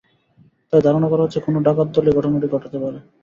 তাই ধারণা করা হচ্ছে, কোনো ডাকাত দল এ ঘটনাটি ঘটাতে পারে।